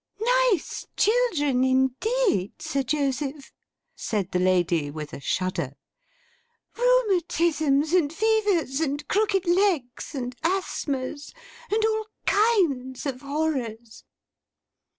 'Nice children, indeed, Sir Joseph!' said the lady, with a shudder. 'Rheumatisms, and fevers, and crooked legs, and asthmas, and all kinds of horrors!